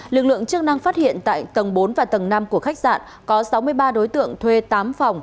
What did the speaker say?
lực lượng chức năng phát hiện tại tầng bốn và tầng năm của khách sạn có sáu mươi ba đối tượng thuê tám phòng